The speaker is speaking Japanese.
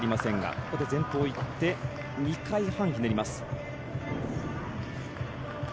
ここで前方いって２回半ひねります。